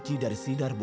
iya aku tahu